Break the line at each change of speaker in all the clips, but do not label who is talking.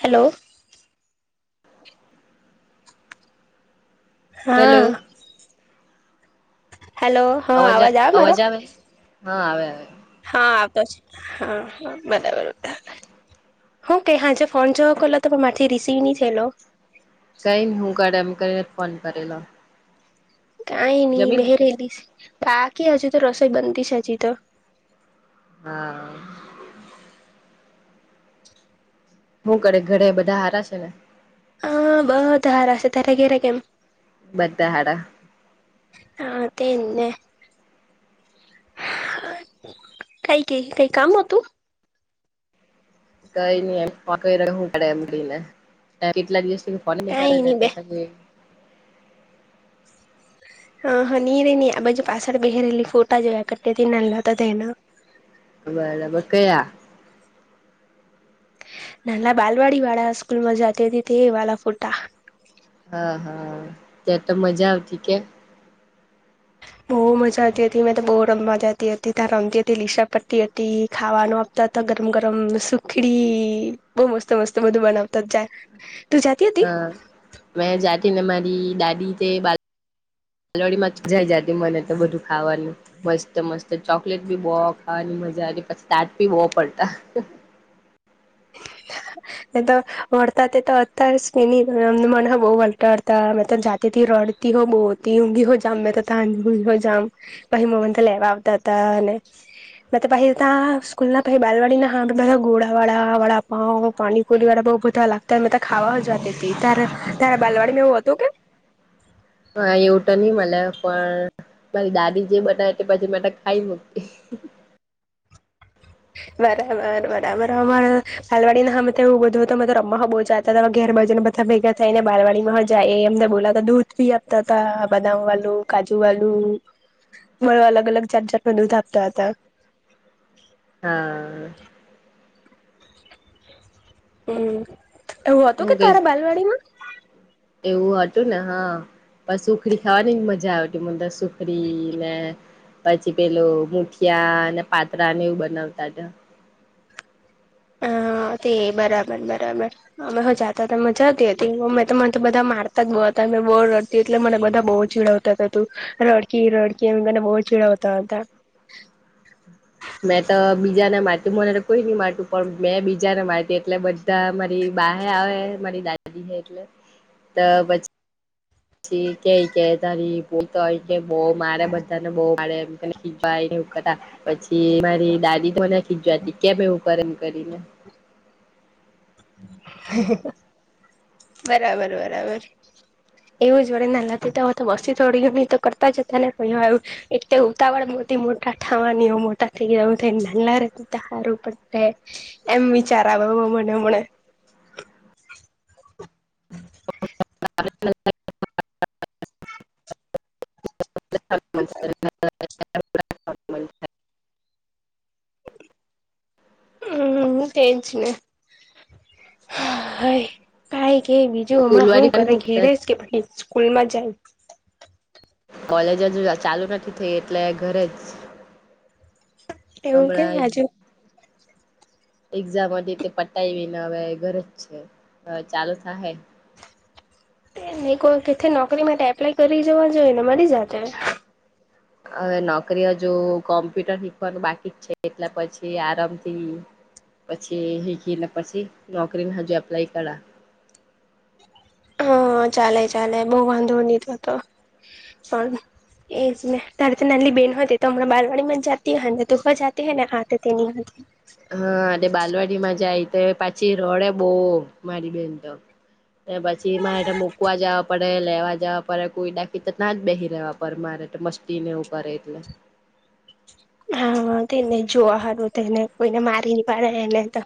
Hello.
Hello
હા. Hello હા
અવાજ
મારો
અવાજ આવે હા આવે આવે
હા આવતો જ હા હા બરાબર હુ કેય હાંજે ફોન જેવો કરલો તો માથી રિસીવ ની થેલો
કઈ ની હું કરે એમ કરીને ફોન કરેલો
કઈ નહી
જમીલ
બેહેરેલીશ બાકી હજીુ તો રસોઈ બનતી છે હજી તો
હા હું કરડે ઘરે બધા હારા છે ને
હા બહત હારશે ત્યારેગરા કેમ
બધા હાડા
હા તેને કઈ ક કઈ કામ હો તું
કઈ નઈ એમું પડે એમડીને કેટલા દિવસ ફોન ની કરે
કઈ નઈ
એટલે
બે
પછી
[inaudible] હ હા નરેની આ બજ પાસાડ બહેરલી ફોટા જો કટતીનલ્ તોધન
બડ વકયા
નાલા બાલવાડી વાળા સ્કૂલ મજા ત હતી તેવાળ ફોટા
હા હા ત્યાં તો મજા આવતી કે
હો મજાતી હતી મેં તો બહુ રમ મજાતી હતી તં રમતી હતી લીસા પટ્ટતી હતી ખાવાનું આપતા હતા ગરમ ગર ગરમ સુખડી બહ મસ્ત મસ્ત બધું બનાવતા જ જાય તું જાતી હતી
હા મેં જાતીને મારી ડાડી થ બા હાલડીમાં જઈ જતી મને તો બધું ખાવાનું મસ્ત મસ્ત ચોકલેટ બી બહ ખાવાની મજા પછ્ટાટ પી હોવા પડતા
[inaudible] [unintelligible] એ તો વડતા તે તોતા જ કે ન એમ મન બહુ વલટાડતા અમે તો જાતેથી ર હો બહતી ઊઘી હો જામ મેં ત તઘી હો જામ પછી મોમન તો લેવા આવતા હતા અને મ તે પછતા સ્કૂલ ના પછ બાલવાડી ના હ બધા ઘોડા વાળા વાળા પાવ પાણી કોુલી વાળા બઉ બધા લાગતા ખાવા જ હતી ત્યારે ત્યારે બાલવાડી મેં તું કે
હા એવટા નહી મલા પણ મારી દાદી જે મના તે પછી માટે ખાઈ મૂકી
બરાબર બરાબર અમારે ફાલવાડી ના હ એવું બધું તો રમવા બહુ જતા ત ઘેર બાજુ બધા ભેગા થાયને બારવાડીમાં જાય એ અમને બોલાતા દૂધ ભી આપતા હતા બદામ વાળું કાજુ વાળું કાજુ અલગ અલગ જાત જાાતમાં દૂધા આપતા હતા
હા
હમ એવું હતું કે
હું કઈશ
તારા બાલવાડીમાં
એવું હતું ને હા પ સુખડી ખાવાની મજા આવેતી મંદર સુખડી ને પછી પેલું મુઠિયા અને પાત્રાને એવું બનાવતા હતા
હા હા તે બરાબર બરાબર અમે હ જાતા હતા મજાતી હતી મેં તો મને તો બધા મારતા જ બહ હતા બો રડતી એટલે મને બધા બહુ ચીડવતા તું રડકી રડકી મને બહ ચીડવતા હતા [inaudible]
મેં તો બીજાને મારતી મને કોઈ નઈ મારતું પણ મેં બીજાને મારતી એટલે બધા મારી બહ આવે મારી દાદી એટલે તો પછી પછી કય ક તારી પોતા હોય બહ મારે બધાને બહડે એ શીખવ કર પછી મારી દાદી તોને જાતી કે ભ એવું ઉપ એમ કરીને
બરાબર બરાબર એવું જોળે ના નથી ત તો વસી તોડી ગયો ન તો કરતા જતા ને કહ આવું એક ઉતાવળ મોટી મોટા થવાની મોટા થઈ ગયા થ નાના ર સારું પડતે એમ વિચાર કરરા મનેને [unintelligible]
[inaudible] [unintelligible]
હમ એ થચ [unintelligible] હ હ કઈ કે બીજું
સ્કૂલ
હમણાં હું
વાળી પણ
ઘરે ઘેરેશ કે પછ સ્કૂલમાં જાય
કોલેજજ ચાલુ નથી થઈ એટલે ઘરે જ
એવું કે
હમણાં
હજુ [inaudible]
એક્ઝામ તે પટાવવીને હવે ઘરજ છે ચાલ થ હે
ન કોઈ કે નોકરી માટે એપ્લાય કરી જવા જોઈએ ને મરી જાતે
હવે નોકરી હજુ કોમ્પ્યુટર શીખવાનું બાકી જ છે એટલે પછી આરામથી પછી હી ગીને પછી નોકરીને હજુ એપ્લાય કરા
હા ચાલે ચાલે બહુ વાંધો નીધો હતો હ [unintelligible] એજ ને તારે તો નાની બેહેન હો હતી તો હમણાં બારવાડીમાં જ જાતી હોય ને દુઃખ જાતી હય ને હા તેની હો હતી
હા એટ બાલવાડીમાં જાય તો પાછી રોડે બહ મારી બેન તો. પછી મારે મૂકવા જવા પડે લેવા જવા પડે કોઈ ડાકીી તો ના જ બેહી રહેેવા પડે મારે. મસ્તી નેવ કરે એટલે.
[inaudible] હા તેને જોવા હત તેને કોઈને મારી ન પાડે એને તો.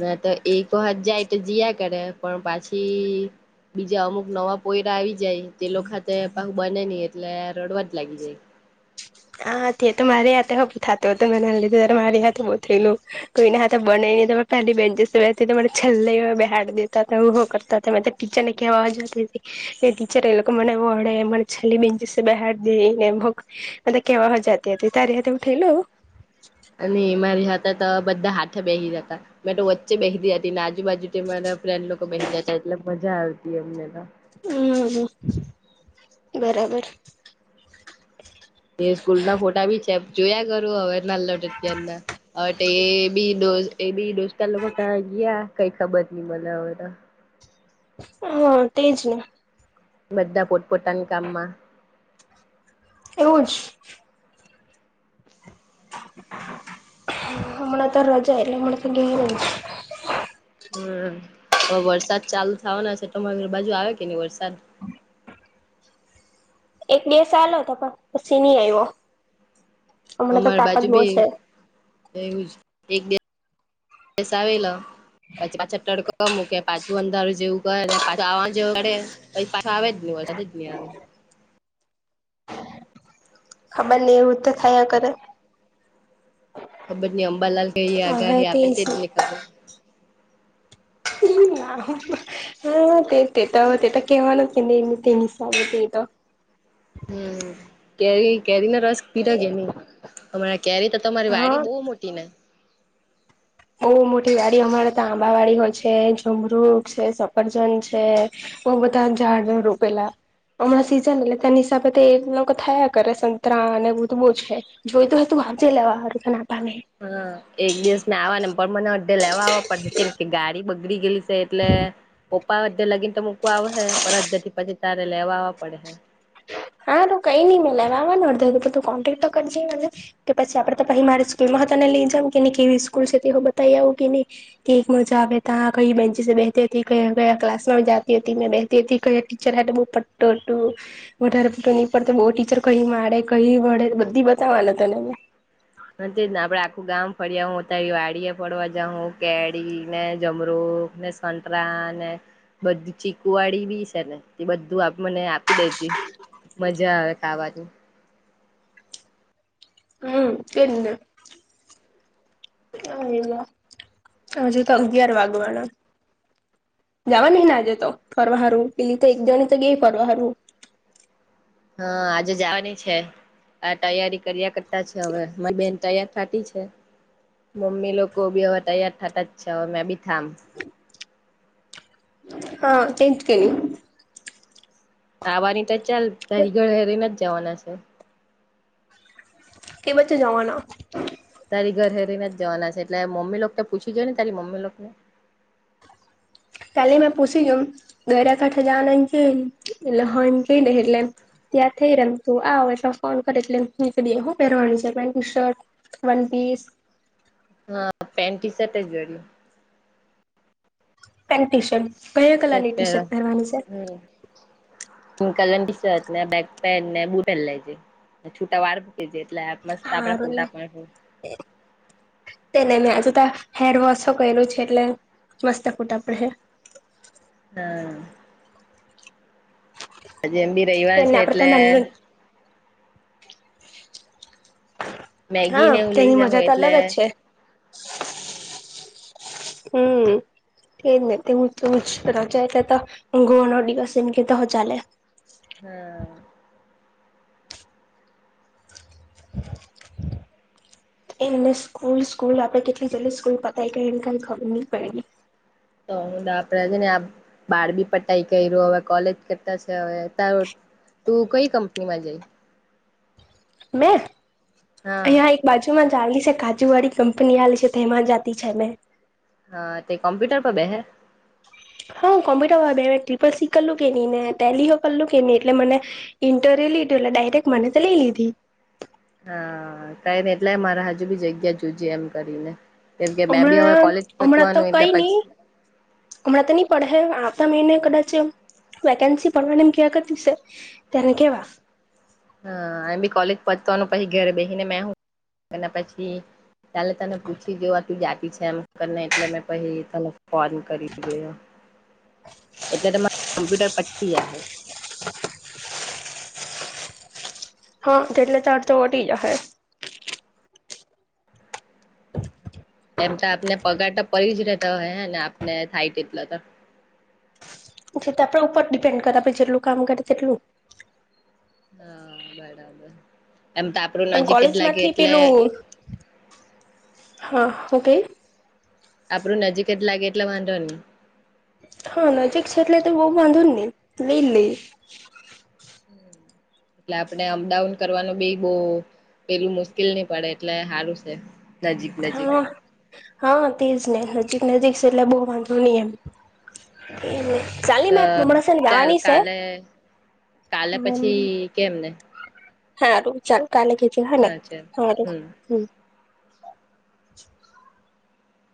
ના તો એ કો હ જાય તો જયા કરે પણ પાછી- - બીજા અમુક નવા પોયરા આવી જાય તે લોકો હાતે બને નહી એટલે આ રડવા જ લાગી જાય.
હા તો મારી હયાથે હ થતો હતો મેંને લીધું ત્યારે મારી હયાથે બહુ થયેલું કોઈને હાથે બને- - તે પહેલી બેચેસ બેઠતી મરે છલ્હી બેઠ દતા હતા કરતા હતા મ ટીચર નની આવાજતી- - ટીચર એ લોકો મને વડે મને છેલ્લી બેન્ચ બહાર દે ને- - અને કેવા હ જાતી હતી તારી હતે ઉઠે લું?
અને મારી હતા તો બધા હાથે બેસી જ હતા મેં તો વચ્ચે બેસી દ હતી. આજુ બાાજુ મારા ફ્રેન્ડ લોકો બેહી જતા એટલે મજા આવતી અમને તો.
હમ બરાબર.
એ સ્કૂલ ના ફોટા બી છે જોયા કરું હવે ના અતાર ના હવે બી- - એ બી દોસ્તા લોકો ક ગયા કઈ ખબર નઈ મને.
હા તેજ ને.
બધા પોટપોટા ના કામમાં- -
એવું જ- - હમણા આ તો રજા એલે હ તો ગે- -
હમ. હવે વરસાદ ચાલુ થવાના છે તમારે ઘ બાજુ આવે કે નહી વરસાદ?
એક બે સાાલો તો પણ પછી નહી આવ્યો. હમણાં તો
અમાર
તાપ જ
બાજુ
બહુ
બી
છે
એવું જ. એક બેસ બેસ આવેલા પછી પાછા તડકા મૂ કે પાછું અંદર જેવું. પાછવાડે પાછ આવે જ નહી જ નહી આવે.
ખબર ને એવું તો થયા કરે.
ખબર નઈ અંબાલાલ ક આગાહી આપે તેજ નહ ખબર.
હ તે તેતા તેતા કેવાનું કેને એમ તે નિશ તે તો. [inaudible]
હમ કેરી કેરી ના રસ પીડા કે નહી હરા- - કેરી તો તમારી
હા
વાડી બહુ મોટી ને?
બહુ મોટી વાડી અમારે ત આંબા વાડી હોય છે જમરૂુખ છે સફરજન છે. હ બધ જાાડ ન રૂ પેલા. હમણાં સીઝન એટલે તેના હિસાબે એ લોકો થયા કરે સંતરા અને બધું બહુ છે જોયતુંતું- - હ જ લ વા.
હા એક દિવસ આવા ને પરમાને અડધે લેવા આવવાડ કેમ કે ગાડી બગડી ગયેલી- - એટલે- - પપ્પા અધે લગીન તો મૂકવા આવે હે અડધે થી પછી તારે લેવાવા પડે હે.
હા તો કઈ નઈ મેં લેવાનું અધે બધું કોન્ટેક્ટ તો કરી જેવા ને કે પછી આપડે તો પછી મારી સ્કૂલ માં- - તને લઈ જ કે કેવી સ્કૂલ છે તે બતાવી આવું કે નહી ક એક મજા આવે ત કઈ બેન્ચ બે- - ક કયા ક્લાસમાં જતી હતી મેં બેતી હતી ક ટીચર હ પટ્ટો ટ- - વધારે પટો ની ઉપર તો બહુ ટીચર કઈ માડે કઈ વળે બધી બતાવવાના તને- -
તે આપડે આખું ગામ ફર્યા હ અત્યારે વાડીિયા ફરવા જા કેડી ને જમરો- - સરા ને બધું ચીકુવાડી બી છે ને એ બધું મને આપી દે- - મજા આવે ખવાની.
હમ તેમને- - એ હજુ તો અગિયાર વાગવાનું- - જવા નહિ ના આજે તો ફરવા હારવું પેલી તો એક જણી તો ગઈ ફરવા હારવું- - [inaudible]
હા આજે જવાની છે આ તૈયારી કર્યા કરતા છે હવેરી બેન તૈયાર થાતી છે? મમ્મી લોકો ભી હવે તૈયાર થતા છે મે બી થામ.
હા [inaudible]
આવવાની તો ચાલ [inaudible] જ જવાના છે.
કે વચ્ચે જવાના?
તારી ઘર હેરીને જવાના છે, એટલે મમ્મી લોકથી પૂછી જોઈ ને તારી મમ્મી લોક ને.
[inaudible] તાલે મે પૂછી જા ઘરે કઠ જન કે લહ કે ડરલેન [inaudible] ત્યાંથી રમતું આવ એટલે ફોન કર એટલે [inaudible] હું પહેરવાની છે પેન્ટ ટીશર્ટ, વન પીસ [inaudible]
હા પેન્ટ ટી શર્ટ જ [inaudible]
પેન્ટ ટીશર્ટ ક્યાં
શર્ટ
કલરની ટીશર્ટ પહેરવાની છે?
કલંટીી શર્ત બક પેનને બુ પેન લજ છોટા વાર કે છે [inaudible] એટલે મસ્ત આપણે
હારું લે
ફોટા પણ
તેને મેં આજે હેર વોશો કર્યું છે, એટલે મસ્તફૂટા પડે.
[inaudible] હજ એમ બી રવિવાર છે
તેને આપડે તો
એટલે
નાનલ
મેગી
હા,
ને એવું
તેની
લઈ જાહુ
મજા તો
એટલે
અલગ જ છે. હમ. [inaudible] ચાલે
હા
[inaudible] એમને સ્કૂલ સ્કૂલ આપડણે કેટલી જલ્દી સ્કૂલ પતાવી કે એને કાઈ ખબર નહી પડી.
તો આપડે જેને બાર બી પટાઈ કર્યું, હવે કોલેજ કરતા છે હવે તું કઈ કંપની મા જાય?
મેં
હા
હં એક બાજુ [inaudible] જુમાં જલી છે કાજુ વાળી કંપની આવે છે તેમાં જતી છે અમે.
અ, તે કમપ્યુટર પર બેહે?
હા કોમ્પ્યુટર વા બેહે ટ્રિપલ સી કરલું કે નહી ને ટેલી ઓ કરલું કે ન એટ મને ઇન્ટરેલી પેલા ડાયરેક્ટરે મને લઈ લીધી.
હા, કઈનહિ એટલે મારા હજુ બી જગ્યા જોજે એમ કરીને. કેમ કે મેં બી હવે
હમણાં,
કોલેજ
હમણાં તો
પતવાનું એટલે
કઈ નહી
પછી
હમણાં તો નહી પડે તમ એને કદાચ વેકેન્સી ભરવાને એમ કહ્યા કરતી છે તને કહેવા
હા, એ બી કોલેજ પચવાનું પછી ઘરે બેસીને મે હું [inaudible] કાલે તને પૂછી જે [unintelligible] તું જા. [unintelligible] પછી એમ કરી એટલે મેં પછી તને ફોન કરી ગયો. એટલે તમા કમ્પ્યુટર પચી [unintelligible] જશે. [unintelligible] [inaudible]
હા એટલે ચાર તો ઓટી [unintelligible] જાહે. [inaudible]
એમ તો આપને પગાર તો પડી જ રતા હો ને આપને થાય તેટલા તો
તે આપણા ઉપર ડિપેન્ડ કરે આપડે જેટલું કામ કરે તેટલું.
હા, બરાબર. એમ તો આપણું
પણ
નજીક જ લાગે
કોલેજમાંથી
એટલે
પેલું હ હું કેય?
આપડું નજીક જ લાગે એટલે વાંધો ની.
હા, નજીક છે, એટલે તો કઈ વાંધો નહી, લઈ લે.
એટલે આપણે અપડાઉન કરવાનું બી બહુ પેલું મુશ્કેલ નહી પડે, એટલે હારું છે. નજીક નજીક.
હા હા તેજ ને નજીક નજીક છે એટલે બહુ વાંધો નહી એમ એ [unintelligible] ચાલની
તો
મે હમણાં
ચાલ
જવાની શે.
કાલે કાલે પછી કેમને.
હારુ ચાલ કાલે કેજે હેને
હા ચાલ
હા
હમ
હમ્મ.